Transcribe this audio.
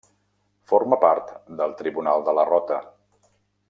Forma part del Tribunal de la Rota.